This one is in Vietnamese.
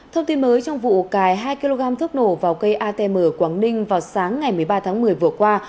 thông tin mới trong vụ cài hai kg thuốc nổ vào cây atm ở quảng ninh vào sáng ngày một mươi ba tháng một mươi vừa qua